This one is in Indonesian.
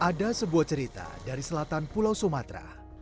ada sebuah cerita dari selatan pulau sumatera